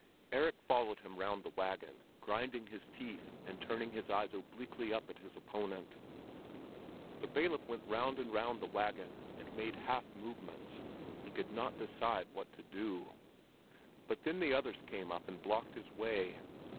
Erik followed him round the wagon, grinding his teeth and turning his eyes obliquely up at his opponent. The bailiff went round and round the wagon and made half movements; he could not decide what to do. But then the others came up and blocked his way.